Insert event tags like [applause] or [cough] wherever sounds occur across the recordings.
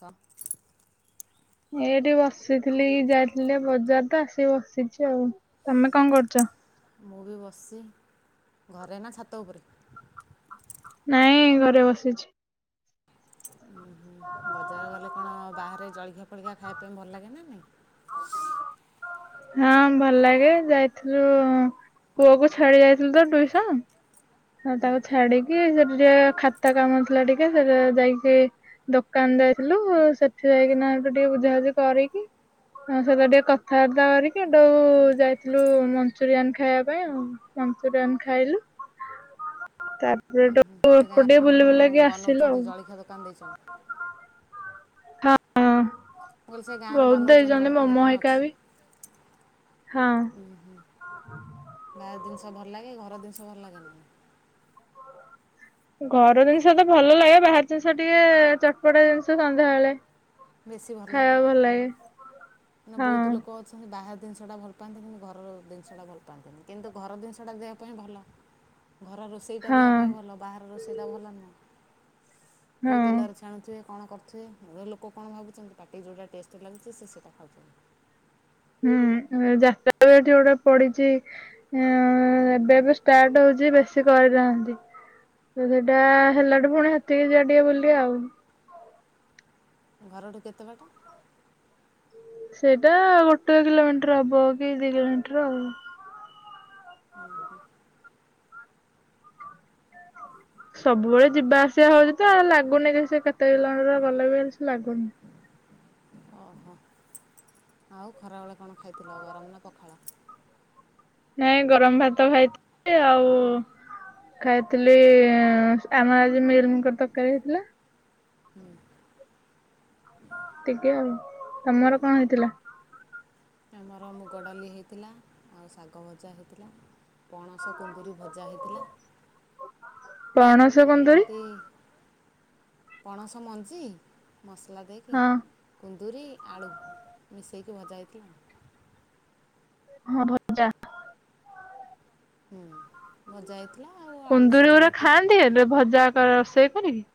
କ [inaudible] ଏଇଠି ବସିଥିଲି ଯାଇଥିଲି ବଜାର ତ ଆସିକି ବସିଛି ଆଉ ତମେ କଣ କରୁଛ? ମୁଁ ବି ବସି ଘରେ ନା ଛାତ ଉପରେ? ନାଇଁ ଘରେ ବସିଛି। ବଜାର ଗଲେ କଣ ବାହାରେ ଜଳିଖିଆ ଫଳିଖଆ ଖାଇବା ପାଇଁ ଭଲ ଲାଗେ ନା ନାଇଁ [inaudible] ହଁ ଭଲ ଲାଗେ ଯାଇଥିଲୁ ପୁଅ କୁ ଛାଡି ଯାଇଥିଲୁ ତ ଟୁଇସନ ହଁ ତାକୁ ଛାଡିକ କି ସେଠ ଟିକେ ଖାତା କାମ ଥିଲା ଟିକେ ସେଟ ଯାଇକି ଦୋକାନ ଯାଇଥିଲୁ ସେଠି ଯାଇକିନା ଟିକେ ବୁଝାବୁଝି କରିକି ଆ ସେଟା ଟିକେ କଥାବାର୍ତ୍ତା କରିକି ଯାଇଥିଲୁ ମଞ୍ଚୁରିଆନ ଖାଇବା ପାଇଁ ଆ ମଞ୍ଚୁରିଆନ୍ ଖାଇଲୁ। ତାପରେ ଗୋଟେ [unintelligible] ସେ ଗାଁ ରେ କଣ ବନଉଛନ୍ତି ଜଳଖିଆ ଦୋକାନ ଦେଇଛନ୍ତି? ହଁ। ମୁଁ କହିଲି ସେ ଗାଁରେ ବହୁତ ବନାଉଛନ୍ତି ଦେଇଛନ୍ତି ଜଳଖିଆ ମୋମୋ ଦୋକାନ ହେଇକା ବି ଅଛି। ହଁ ହୁଁ ହୁଁ ମ [unintelligible] ଜିନିଷ ଭଲ ଲାଗେ ଘର ଜିନିଷ ଭଲ ଲାଗେ ନା ଘର ଜିନିଷ ତ ଭଲ ଲାଗେ ବାହାର ଜିନିଷ ଟିକେ ଚଟପଟା ଜିନିଷ ସନ୍ଧ୍ୟା ବେଳେ ବେଶୀ ଭଲ ଲାଗେ ଆଉ ମାନେ ହଁ ବହୁତ ଲୋକ ଅଛନ୍ତି ବାହାର ଜିନିଷଟା ଭଲ ପାଆନ୍ତିନି ଘର ଜିନିଷଟା ଭଲ ପାଆନ୍ତିନି କିନ୍ତୁ ଘର ଜିନିଷଟା ଦେହପାଇଁ ଭଲ। ଘର ରୋଷେଇଟା ଦେହ ହଁ ପାଇଁ ଭଲ ବାହାର ରୋଷେଇଟା ଭଲ ନୁହେଁ। କୋଉ ହଁ ତେଲରେ ଛାଣୁଥିବେ। କଣ କରୁଥିବେ ଏ ଲୋକ କଣ ଭାବୁଛନ୍ତି ପାଟି କୁ ଯୋଉଟା ଟେଷ୍ଟ ଲାଗୁଚି ସେ ସେଟା ଖାଉ ହୁଁ ଯାତ ଯୋଉଟା ପଡିଛି ଏବେ ବି ଷ୍ଟାର୍ଟ ହଉଛି ବେଶୀ କରିଥାନ୍ତି ତ ସେଇଟା ହେଲାଠୁ ପୁଣି ହାତକି ଯିବା ଟିକେ ବୁଲ ଆଉ। ଘରଠୁ କେତେ ବାଟ? ସେଇଟା ଗୋଟେ କିଲୋମିଟର ହବ କି ଦି କିଲୋମିଟର ଆଉ। ହୁଁ ହୁଁ। ସବୁବେଳେ ଯିବା ଆସିବା ହଉଛି ତ ଲାଗୁନି କି ସେ କେତେ ଜଣର ଗଲେ ବି ହେ ସେ ଲାଗୁନି ଓହୋ ଆଉ ଖରାବେଳେ କଣ? ଖାଇଥିଲ ଗରମ ନା ପଖାଳ? ନାଇଁ ଗରମ ଭାତ ଖାଇଥିଲି ଆଉ ଖାଇଥିଲି ଆମର ଆଜି ମିଲମିକର ତରକାରୀ ହେଇଥିଲା। ଟିକେ ଆଉ ତମର କଣ ହେଇଥିଲା? ଆମର ମୁଗ ଡାଲି ହେଇଥିଲା ଆଉ ଶାଗ ଭଜା ହେଇଥିଲା। ପଣସ କୁନ୍ଦୁରିୀ ଭଜା ହେଇଥିଲା। ପଣସ ଆଉ କୁନ୍ଦୁରି। ଏମିତି ପଣସ ମଞ୍ଜି? ମସଲା ଦେଇକି ହଁ କୁନ୍ଦୁରି ଆଳୁ ମିଶେଇକି ଭଜା ହେଇଥିଲା। ହଁ ଭଜା। ହୁଁ ଅଜା ଆଇ କୁନ୍ଦୁରି ଉରା ଖାଆନ୍ତି ଏବେ ଭଜା ରୋଷେଇ କରିକି?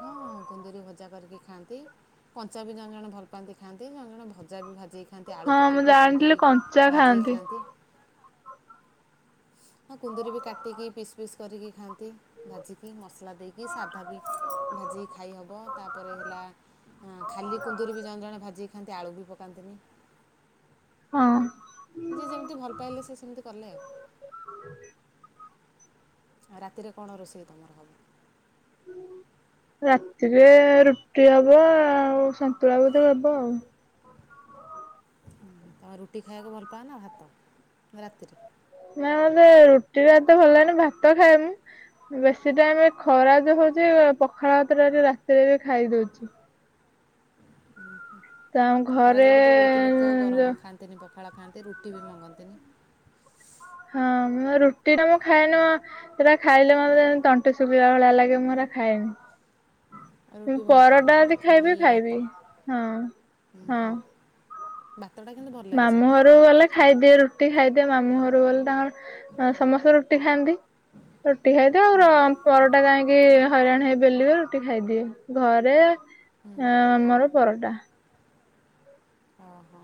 ହଁଁ କୁନ୍ଦୁରି ଭଜା କରିକି ଖାଆନ୍ତି କଞ୍ଚା ବି ଜଣେ ଜଣ ଭଲ୍ ପାଆନ୍ତି ଖାଆନ୍ତି ଜଣେ ଜାଣେ ଭଜି କି ଖା ଖାଆନ୍ତି ଆଳୁ ହଁ ମୁଁ ପକେଇକି ଜାଣିଥିଲି କୁନ୍ଦୁରି କଞ୍ଚା ଭାଜି କି ଖାଆନ୍ତି। କୁନ୍ଦୁରି ବି କାଟିକି ପିସ୍ ପିସ୍ କରିକି ଖାଆନ୍ତି ଭାଜିକି ମସଲା ଦେଇକି ସାଧା ବି ଭାଜିକି ଖାଇହବ ତାପରେ ହେଲା ଖାଲି କୁନ୍ଦୁରି ବି ଜଣେ ଜଣେ ଭାଜିକି ଖାଆନ୍ତି ଆଳୁ ବି ପକାନ୍ତିନି। ହଁ। ଯେ ଯେମିତି ଭଲ ପାଇଲା ସେ କେମିତି କଲେ ଆଉ [inaudible] ଆଉ ରାତିରେ କଣ ରୋଷେଇ ତୁମର ହେବ? ରାତିରେ ରୁଟି ହବ ଆଉ ସନ୍ତୁଳା ବୋଧେ ହବ ଆଉ। ରୁଟି ଖାଇବାକୁ ଭଲ ପାଆ ନା ଭାତ ରାତିରେ? ନା ମତେ ରୁଟି ତ ଏତେ ଭଲ ଲାଗେନି ଭାତ ଖାଏବୁ ବେଶୀ ଟାଇମ ଖରା ଯାହା ହଉଛି ପଖାଳ ହାତ ଟା ରାତିରେ ବି ଖାଇଦଉଛି। ତ ଆମ ଘରେ ପଖଳା ଖାଣନ୍ତି ରୁଟି ବି ମଙ୍ଗଣନ୍ତି ନି। ହଁ ରୁଟି ଟା ମୁଁ ଖାଏନି ହେରା ଖାଇଲେ ମେ ତଣ୍ଟି ଶୁଖାଲା ଭଳିଆ ଲାଗେ ମୁଁ ଖାଏନି। ରୁଟି ଭଲ ପାଉନି ପରଟା ଯଦି ଖାଲି ଖାଇବି ଭାତ ଖାଇବି ହଁ ହଁ। ବା ମାମୁଁ ଘରୁକୁ ଗଲେ ଖାଇଦିଏ ରୁଟି ଖାଇଦିଏ ମାମୁଁ ଘରୁକୁ ଗଲେ ତାଙ୍କର ଅ ସମସ୍ତେ ରୁଟି ଖାଆନ୍ତି ରୁଟି ଖାଇଦିଏ ର ଆଉ ପରଟା କାହିଁକି ହଇରାଣ ହେ ବେଲିବେ ରୁଟି ଖାଇଦିଏ ଘରେ ଅ ଆମର ପରଟା। ଓହୋ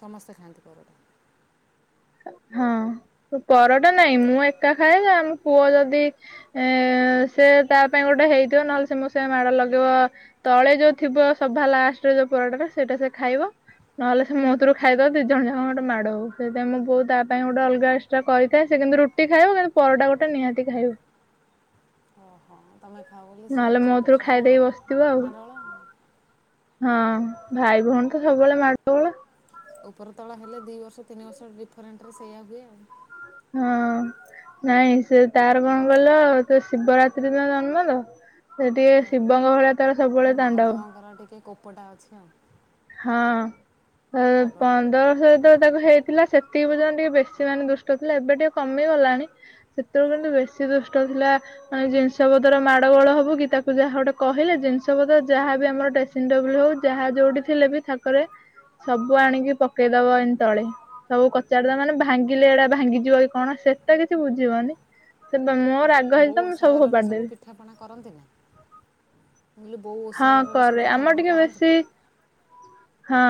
ସମସ୍ତେ ଖାଆନ୍ତି ପରଟା? ହଁ ପରଟା ନାଇଁ ମୁଁ ଏକା ଖାଏ ଯ ଆମ ପୁଅ ଯଦି ଏଁ ସେ ତା ପାଇଁ ଗୋଟେ ହେଇଥିବ ନହେଲେ ସେ ମୋ ସାଙ୍ଗେ ମାଡ ଲଗେଇବ ତଳେ ଯୋଉ ଥିବ ସଭା ଲାଷ୍ଟରେ ଯୋଉ ପରଟା ଟା ସେଇଟା ସେ ଖାଇବ ନହେଲେ ସେ ମୋଥିରୁ ଖାଇଦବ ଦି ଜଣ ଯାକ ଗୋଟେ ମାଡ ହଉ ସେ ମୋ ବୋଉ ତା ପାଇଁ ଗୋଟେ ଅଲଗା ଏକ୍ସଟ୍ରା କରିଥାଏ ସେ କିନ୍ତୁ ରୁଟି ଖାଇବ କିନ୍ତୁ ପରଟା ଗୋଟେ ନିହାତି ଖାଇବ। ଓହୋ ତମେ ଖାଉ ହେଲେ ସେ ନହେଲେ ମୋ ଛୋଟ କତିରୁ ଛୁଆ ନା ଖାଇଦେଇକି ବସିଥିବ ଆଉ ମାଡ଼ଗୋଳ। ହଁ ଭାଇ ଭଉଣୀ ତ ସବୁବେଳେ ମାଡ ଗୋଳ। ଉପର ତଳ ହେଲେ ଦିଇ ବର୍ଷ ତିନି ବର୍ଷ ଡିଫରେଣ୍ଟ ରେ ସେଇଆ ହୁଏ ଆଉ। ହଁ ନାଇଁ ସେ ତାର କଣ କହିଲ ସେ ଶିବରାତ୍ରି ଦିନ ଜନ୍ମ ତ ସେ ଟିକେ ଓହୋ ଶିବଙ୍କ ଭଳିଆ ତାର ସବୁବେଳେ ତାଣ୍ଡବ। ପ ଟା ଅଛି ଆଉ। ହଁ। ଏ ରାଗଟା ଆଉ। ପନ୍ଦର ବର୍ଷ ଯେତେଳେ ତାକୁ ହେଇଥିଲା ସେ ତିକି ପର୍ଯ୍ୟନ୍ତ ଟିକେ ବେଶୀ ମାନେ ଦୁଷ୍ଟ ଥିଲା ଏବେ ଟିକେ କମି ଗଲାଣି ସେତେଳେ କିନ୍ତୁ ବେଶୀ ଦୁଷ୍ଟ ଥିଲା ମାନେ ଜିନିଷ ପତର ମାଡ଼ ଗୋଳ ହବ କି ତାକୁ ଯାହା ଗୋଟେ କହିଲେ ଜିନିଷ ପତର ଯାହା ବି ଆମର ଡ୍ରେସିଂ ଟେବୁଲ ହଉ ଯାହା ଯୋଉଠି ଥିଲେ ବି ଥାକରେ ସବୁ ଆଣିକି ପକେଇଦବ ଏମତି ତଳେ ସବୁ କଚାଡି ଦବ ମାନେ ଭାଙ୍ଗିଲେ ଏଡ଼ା ଭାଙ୍ଗିଯିବ କି କଣ ସେଟା କିଛି ବୁଝିବନି ସେ ମୋ ରାଗ ହେଇଛି ତ ବୋଉ ମୁଁ ଓଷା ବାରରେ ଫୋପାଡି ସବୁ ଦେବି ପିଠାପଣା କରନ୍ତି ନା? ମୁଁ କହିଲି ବୋଉ ଓଷା ହଁ ବାରରେ ସବୁ କରେ ଆମର ପିଠାପଣା ଟିକେ କରନ୍ତି ବେଶୀ ନା? ହଁ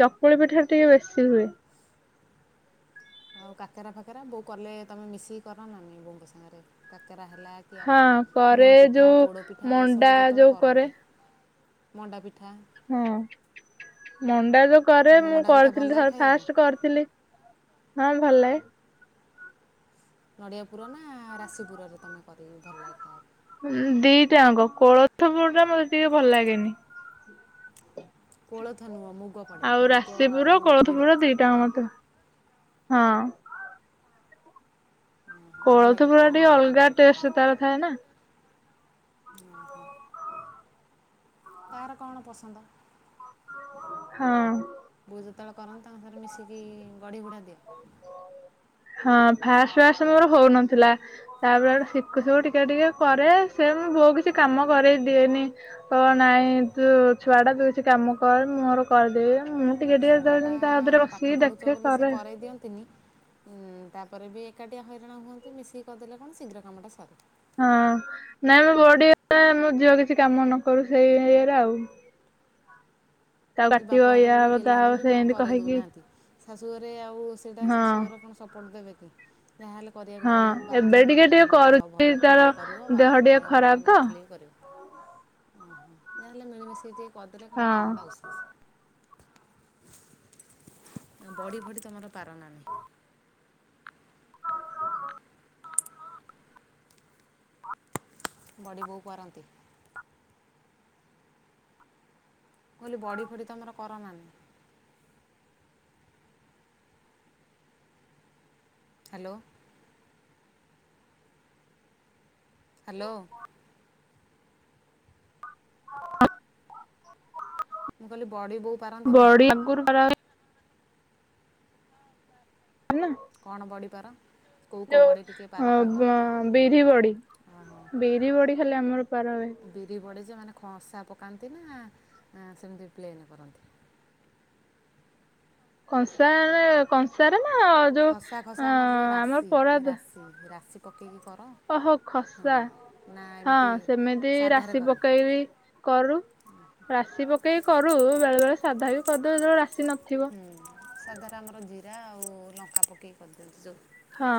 ଚକୁଳି ପିଠାର ଟିକେ ବେଶୀ ହୁଏ। ଆଉ କାକାରା ଫାକାରା ବୋଉ କଲେ ତମେ ମିଶିକି କର ନା ନାଇଁ ବୋଉଙ୍କ ସାଙ୍ଗରେ କାକ କାକରା ହେଲା କି ହଁ ଆମର କରେ ମୁଆଁ ପିଠା, ଯୋଉ ପୋଡ଼ ପିଠା ମଣ୍ଡା ଏସବୁ ଯେତେବେଳେ ଯୋଉ କରେ କରନ୍ତି। ମଣ୍ଡାପିଠା ହଁ ମନ୍ ସେଟା ଯୋଉ କରେ ତମ ମୁଁ ମଣ୍ଡା ପିଠା ଭଲ କରିଥିଲି ଲାଗେ ଥରେ ଖାଇବାକୁ ଫାଷ୍ଟ କରିଥିଲି। ହଁ ଭଲଲାଗେ। ନଡ଼ିଆ ପୁର ନା ରାଶି ପୁରରେ ତମେ କରିକି ଭଲ ଲାଗେ ଖାଇବା ଉଁ ଦିିଇଟାଆଙ୍କ କୋଳଥ ପଡ଼େ ମତେ ଟିକେ ଭଲ ଲାଗେନି। କୋଳଥ ନୁଅ। ଆଉ ରାଶିପୁର କଳୋଥପୁର ଦିଇଟାଆଙ୍କ ମତେ ହଁ। ଓହୋ, ଭଲ କୋଳଥ ଲାଗେ ପୁରା ତାହେଲେ ମୋ ଟିକେ ମଣ୍ଡା ଅଲଗା ପିଠାଟା ଟେଷ୍ଟେ ତାର ଥାଏନା। ଓହୋ କାହାର କଣ ପସନ୍ଦ? ହଁ। ବୋଉ ଯେତେବେଳେ କରନ୍ତି ତାଙ୍କ ସାଙ୍ଗରେ ମିଶିକି ବାଢି ବୁଢା ଦିଅ? ହଁ ଫାଷ୍ଟ ଫାଷ୍ଟ ମୋର ହୋଉନଥିଲା ତାପରେ ଶିକୁ ଶିକୁ ଟିକେ ଟିକେ କରେ ସେ ମୋ ବୋଉ କିଛି କାମ କରେଇ ଦିଏନି କହିବ ନାଇଁ ତୁ ଛୁଆଟା ତୁ କିଛି କାମ କରେ ମୁଁ ମୋର କରିଦେବି। ମୁଁ ଟିକେ ଟିକେ ଯେତେବେଳେ ଛୁଆଟା ଯେମିତି ତା ହାତରେ ବସିକି ପାଠ ପଢୁଚ ଦେଖେ ବୋଲି ସିଏ କରେ କରେଇ ଦିଅନ୍ତିନି ଉଁ ତାପରେ ବି ଏକାଟିଆ ହଇରାଣ ହୁଅନ୍ତି ମିଶିକି କରିଦେଲେ କଣ ଶୀଘ୍ର କାମଟା ସରେ। ହଁ ନାଇଁ ମୁଁ ବୋଉ ଟିକେ ମେ ଝିଅ କିଛି କାମ ନ କରୁ ସେଇ ଇଏରେ ଆଉ। ତାକୁ ଆଜି କାଟିବ ବାପଘର ଇୟା ବୋଲି ହବ ତା ଗେହ୍ଲା ହବ ବୋଲି ମା ସେମିତି କରେଇ କହିକି ଦୋଉନାହାନ୍ତି, ଶାଶୁଘରେ ଆଉ ସେଇଟା ହଁ। ଶାଶୁଘର କଣ ସପୋର୍ଟ ଦେବେ? ତ ଯାହାହେଲେ କରିବାକୁ ହଁ ପଡ଼ିବ ବାଧ୍ୟ, ଏବେ ଟିକେ ଟିକେ ତମ ଦେହ କରୁଛି ଭଲ ତାର ଥିଲେ କରିବ ଦେହ ଟିକେ ବାଦ୍-ଦେହ ଭଲ ଖରାପ ତ ନଥିଲେ ବି କରିବ। ଓହୋ ଯାହେଲେ ମିଳିମିଶି କିଏ ଟିକେ କରିଦଲେ କଣ ହଁ। କାମଟା ଓସାସ। ଆଁ ବଡି ଫଡି ତମର ପାର ନା ନାଇଁ? ବଡି ବୋଉ ପାରନ୍ତି? ମୁଁ କଇଲି ବଡି ଫଡି ତମର କରନା ନାଁ? ହାଲୋ। ହାଲୋ। [unintelligible] ମୁଁ କହିଲି ବଡି ବୋଉ ପାରନ୍ତି ନା? ବଡି ଆଗରୁ ଖରାପ ହେଇଥିଲା ନା। କଣ ବଡିପାର? ଯୋଉ ଅ ବ-ବିରହି ବଡି ଓହୋ ବିରହି ବଡି ଖାଲି ଆମର ପାରାହୁଏ। ଖଂଶା ପକାନ୍ତି ନା ଆଁ-ସେମିତି ପ୍ଲେନେ କରନ୍ତି? କଂସାରେ କଂସାରେ। ନା ଯୋଉ ଖସା ଅ ଖସା ଆମର ଯୋଉ ରାଶି ରାଶି ରାଶି ପକେଇକି କର ଓହୋ ଖସା, ହଁ ନା ହଁ ଏମିତି ସେମିତି ସାଧାରେ ରାଶି କର ପକେଇ ବି କରୁ ରାଶି ପକେଇକି କରୁ ବେଳେ ବେଳେ ସାଧା ବି କରିଦବ ଯେତେବେଳେ ଆସ ହୁଁ। ସାଧାରେ ଆମର ଜିରା ଆଉ ଲଙ୍କା ପକେଇକି କରିଦିଅନ୍ତି ଯୋଉ ହଁ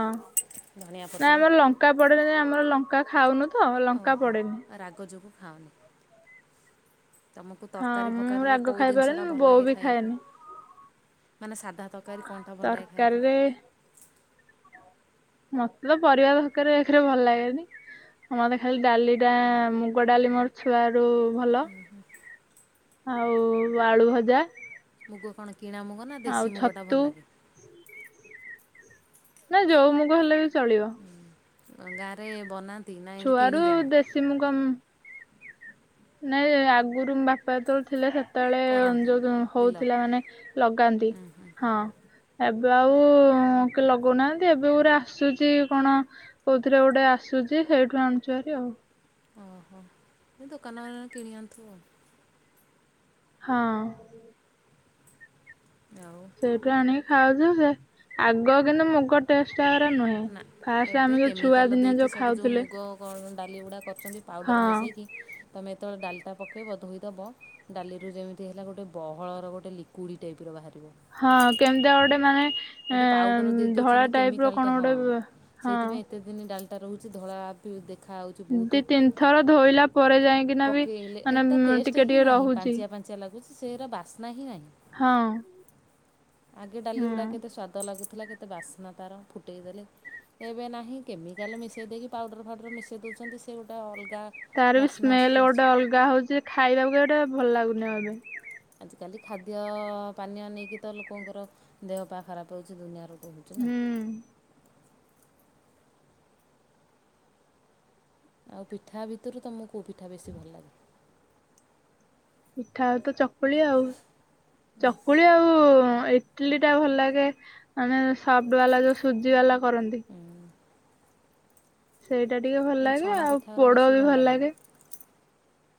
ନାଇ ଆମର ଲଙ୍କା ପଡେ [unintelligible] ଆମର ଲଙ୍କା। ଖାଉନୁ ତ ଲଙ୍କା ଓହୋ ପଡେନି। ରାଗ ଯୋଗୁଁ ଖାଅନି। ତୁମକୁ ହଁ ତରକାରୀ ମୁଁ ଫକାରୀରେ ରାଗ କୋଉ ଖାଇପାରେନି ଦିନିଷଟା ଭଲ ବୋଉ ଲାଗେ ବି ଖାଇବା ପାଇଁ? ଖାଏନି ମାନେ ସାଧା ତରକାରୀ କଣଟା ଭଲ ଲାଗେ ଖାଇବା ପାଇଁ? ତରକାରୀରେ ମତେ ତ ପରିବା [unintelligible] ଏକରେ ଭଲ ଲାଗେନି, ମତେ ଖାଲି ଡାଲି ଟା ମୁଗ ଡାଲି ମୋର ଛୁଆ ରୁ ଭଲ ଆଉ ଆଳୁ ଭଜା। ମୁଗ କଣ କିଣା ମୁଗ ନା ଆଉ ଦେଶୀ ମୁଗଟା ଛତୁ ଭଲ ଲାଗେ? ନା ଯୋଉ ମୁଗ ହେଲେ ବି ଚଳିବ। କଣ ଗାଁ ରେ ବନା ଚୁଆାରୁ ଦେଶୀ ମୁଗ। ନାଇଁ ଆଗରୁ ବାପା ଯେତେ ବେଳେ ଥିଲେ। ସେତେବେଳେ କରନ୍ତି ଯୋଉ ବିଲ? ହଉଥିଲା ମାନେ ଲଗାନ୍ତି ହଁ। ଏବେ ଆଉ କି ଲଗଉନାହାନ୍ତି ଏବେ ଗୋଟେ ଆସୁଛି କଣ କୋଉଥିଥିଲେ ଗୋଟେ ଆସୁଛି ସେଇଠୁ ଆଣୁଛନ୍ତି ଆଉ। ଓହୋ ଦୋକାନ କିଣି ଆଥିବୁ ଆଉ। ହଁ। ନାଁ। ସେଇଠୁ ଆଣିକି ଖାଉଛୁ ସେ ଆଗ କିନ୍ତୁ ମୁ ଟେଷ୍ଟ। ଷ୍ଟେ ନୁହେଁ ନା ଫାଷ୍ଟ ଏବେ ଆମେ ଯୋଉ କେମିକାଲ ଛୁଆ ଦିନିଆ ଯୋଉ ଖାଉଥିଲେ। ଇଟା। କରୁଛନ୍ତି ହଁ ପାଉଡ଼ର ମିଶାଇକି ତମେ? ଯେତେବେଳେ ଡାଲିଟା ପକେଇ ବଧୋଇଦବ ଡାଲିରୁ ଯେମିତି ହେଲା ଗୋଟେ ବହଳର ଗୋଟେ ଲି୍କୁଇଡ ଟାଇପ ର ବାହାରାରେ। ହଁ କେମିତି ଗୋଟେ। ମାନେ? ଗୋଟେ ପାଉଡର ଦେଇ ଏଁ ଧଳା ଦଉଛନ୍ତି ର କେମିକାଲଟେ କଣ ହଁ ଗୋଟେ ବ- ହଁ ସେଇଥିପାଇଁ ଏତେ ଦିନ ଡାଲି। ଟା ରହୁଛି ଧଳା ବି ଦେଖି। ଦି ତିନି ଥର ଧୋଇଲା ପରେ ଯାଇକିନା ବି ପକେଇଲେ ମାନେ ଟିକେ ଟିକେ ରହୁଛି। ସେହିର ବାସ୍ନା ହିଁ ନାହିଁ। ହଁ। ଆଗେ ଡାଲି ଗୁଡା ହୁଁ କେତେ ସ୍ଵାଦ ଲାଗୁ କେତେ ବାସ୍ନା ତାର ଫୁଟେଇ ଦେଲେ ଏବେ ନାହିଁ କେମିକାଲ ମିଶେଇ ଦଉଛନ୍ତି ତାର ତାର ବି ସ୍ମେଲ ଗୋଟେ ଅଲଗା ହଉଛି ଖାଇବାକୁ ଗୋଟେ ଭଲ ଲାଗୁନି ଏବେ। ଆଜିକାଲି ଖାଦ୍ୟ ପାନୀୟ ନେଇକି ତ ଲୋକଙ୍କର ଦେହ ପା ଖରାପ ହେଉଛି ଦୁନିଆରୁ କହୁଛି ନା। ହୁଁ ଆଉ ପିଠା ଭିତରୁ ତମକୁ ପଉ ପିଠା ବେଶି ଭଲ ଲାଗେ। ମିଠା ଆଉ ତ ଚକୁଳି ଆଉ। ଚକୁଳି ଆଉ ଏ ଇଟଲି ଟା ଭଲ ଲାଗେ ମାନେ ସଫଟ ବାଲା ଯୋଉ ସୁଜି ବାଲା। କରନ୍ତୀ। ସେଇଟା ଟିକେ ଭଲ ଲାଗେ ଛଣା ଆଉ ପିଠାଗୁରା ପୋଡ ବେଶୀ ବି ଭଲ ଲାଗେନି। ଲାଗେ।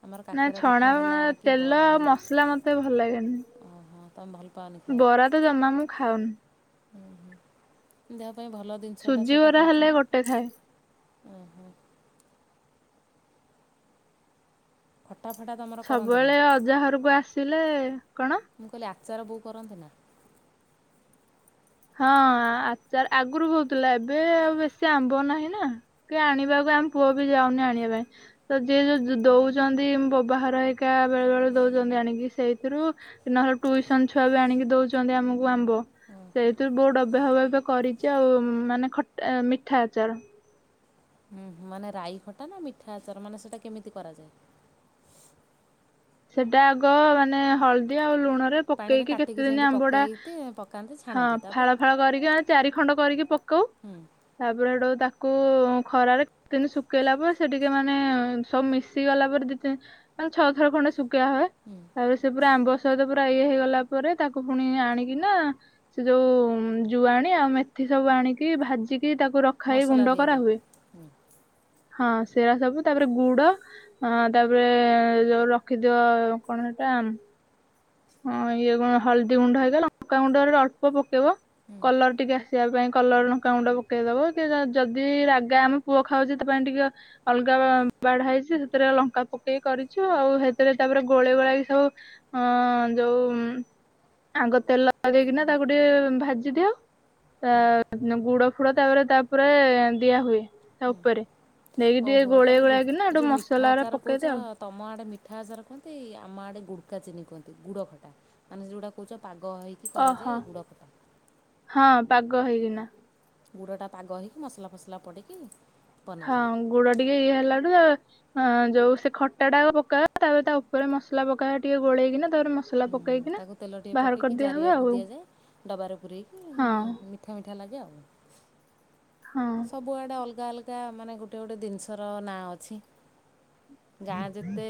ଆମର ନା କାକେରା ପିଠା ଛଣା ହେଲା କି ତେଲ ବରା ଆଉ ହେଲା ମସଲା ମତେ ଭଲ ଲାଗେନି। ଓହୋ ତମେ ଭଲ ବରା ତ ଜମା ମୁଁ ଖାଉନି। ହୁଁ ହୁଁ ସୁଜିିବରା ହେଲେ ଗୋଟେ ଥାଏ। ଖଟା ଫଟା ତୁମର କରନ୍ତି ନା ସବୁବେଳେ ଅଜାହରକୁ ଆସିଲେ କଣ? ଚାର ବୋ କରନ୍ତି ନା, ହଁ ଆଚାର ଆଗରୁ ହହୁଥିଲା ଏବେ ଆଉ ବେଶୀ ଆମ୍ବ ନାହିଁ ନା କି ଆଣିବାକୁ ଆମ ପୁଅ ବି ଯାଉନି ଆଣିବା ପାଇଁ ତ ଯିଏ ଯୋଉ ଦଉଛନ୍ତି ବାବାଘର ହେଇିକା ବେଳେ ବେଳେ ଦଉଛନ୍ତି ଆଣିକି ସେଇଥିରୁ ନହେଲେ ଟ୍ୟସନ ଛୁଆ ବି ଆଣିକି ଦଉଛନ୍ତି ଆମକୁ ଆମ୍ବ ସେଇଥିରୁ ବହୁତ ଅବବବେ କରିଛି ଆଉ ମାନେ ଖଟ ମିଠା ଆଚାର। ହୁଁ ମାନେ ରାଇ ଖଟା ନା ମିଠା ଆଚାର ମାନେ ସେଇଟା କେମିତି କରାଯାଏ ସେଟା ଆଗ ମାନେ ହଳଦୀ ଆଉ ଲୁଣ ରେ ପାଣିରେ ପକେଇକି କାଟିକି କେତେ ଦିନ ଯେମିତି ଆମ୍ବ ଟା ପକେଇତେ ପକାନ୍ତି ହଁ ଛାଣନ୍ତି ତାପରେ ଫାଳ ଫାଳ କରିକି ଚାରି ଖଣ୍ଡ କରିକି ପକଉ ହୁଁ ତାପରେ ସେଟ ତାକୁ କୁ ଖରାରେ ଦିନ୍ ଶୁଖେଇଲା ପରେ ସେ ଟିକେ ମାନେ ସବୁ ମିଶି ଗଲା ପରେ ଦିଇ ତିନି ମାନେ ଛଅ ଥର ଖଣ୍ଡ ପ ହୁଏ ତାପରେ ସେ ପୁରା ଆମ୍ବ ସହିତ ପୁରା ଇଏ ହେଇଗଲା ପରେ ତାକୁ ପୁଣି ଆଣିକିନା ସେ ଯୋଉ ଜୁଆଣି ଆଉ ମେଥି ସବୁ ଆଣିକି ଭାଜିି କି ତାକୁ ରଖାଇ ମସଲା ଗୁଣ୍ଡ ଦିଆଯାଏ କରାହୁଏ। ହଁ ସେରା ସବୁ ତାପରେ ଗୁଡ ଅ ତାପରେ ଯୋଉ ରଖିଦିଅ କଣ ସେଟା ହଁ ଇଏ ହଳଦୀ ଗୁଣ୍ଡ ହେଇଗ ଲଙ୍କାଗୁଣ୍ଡ ଅଳ୍ପ ପକେଇବ କଲର ଟିକେ ଆସିବା ପାଇଁ କଲର ଲଙ୍କାଗୁଣ୍ଡ ପକେଇଦବ କି ଯଦି ରାଗା ଆମେ ପୁଅ ଖାଉଚି ସେଥିପାଇଁ ଟିକେ ଅଲଗା ବା-ବାଢା ହେଇଚି। ସେଥିରେ ଲଙ୍କା ପକେଇକି କରିଚୁ। ଆଉ ହେଇଥିରେ ତାପରେ ଗୋଳେଇ ଗୁଳାକି ସବୁ ଅ ଯୋଉ ଆଗ ତେଲ ଦେଇକିନା ତାକୁ ଟିକେ ଭାଜି ଦିଅ। ତା ଗୁଡ ଫୁଡ ତାପରେ ତାପରେ ଦିଆ ହୁଏ ତା ଉପରେ। ଦେଇକି ଟିକେ ଓହୋ ଗୋଳେଇ ତାହେଲେ ଗୋ ଗୋଳାକିନା ଏଇ ଏଠୁ ଯୋଉ ମିଠା ମସଲା ଗୁରା ଆଚାର କୋହୁଚ ପକେଇଦିଅ ତମ ଆଡେ ମିଠା ଆଚାର କୁହନ୍ତି ଆମ ଆଡେ ଗୁଡ କା ଚିନି କୁହନ୍ତି ଗୁଡ଼ ଖଟା ମାନେ ଯୋଉଟା କୋହୁଚ ପାଗ ଗ ହେଇକି ଓହୋ କରାଯାଏ ଏ ଗୁଡ଼ଖଟା। ହଁ ପାଗ ହେଇକିନା। ଗୁଡ଼ଟା ପାଗ ହେଇକି ମସଲା ଫସଲା ପଡିକି ହଁ ଗୁଡ ଟିକେ ଇଏ ହେଲାଡୁ ତା ହଁ ଯୋଉ ସେ ଖଟା ଟା ଆଗ ପକାଯାଏ ତାପରେ ତା ଉପରେ ମସଲା ପାକଏ ଟିକେ ଗୋଳେଇକିନା ତାପରେ ମସଲା ହୁଁ ପକେଇକିନା ତାକୁ ତେଲ ଟିକେ ବାହାର ପକେଇକି କରିଦିଆ ହୁଏ ଜାରିିବାକୁ ଆଉ ଦିଆଯାଏ। ଡବାରେ ପୁରେଇକି ହଁ ମିଠା ମିଠା ଲାଗେ ଆଉ। ହଁ। ସବୁଆଡେ ଅଲଗା ଅଲ ତା ମାନେ ଗୋଟେ ଗୋଟେ ଜିନିଷର ନାଁ ଅଛି। ଗାଁ ଯେତେ